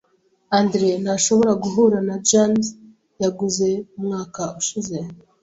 Andre ntashobora guhura na jans yaguze umwaka ushize.